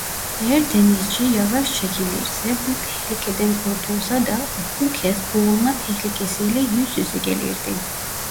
Eğer denizci yavaş çekilirse bu tehlikeden kurtulsa da bu kez boğulma tehlikesiyle yüz yüze gelirdi.